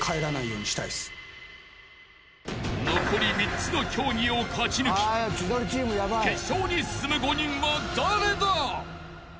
［残り３つの競技を勝ち抜き決勝に進む５人は誰だ？］